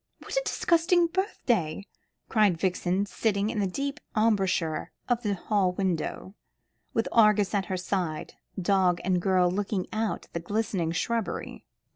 "What a disgusting birthday!" cried Vixen, sitting in the deep embrasure of the hall window, with Argus at her side, dog and girl looking out at the glistening shrubbery.